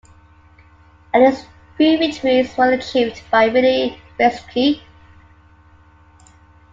At least three victories were achieved by Willi Reschke.